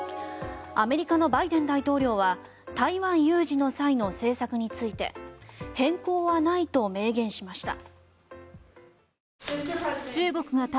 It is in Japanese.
アメリカのバイデン大統領は台湾有事の際の政策について変更はないと明言しました。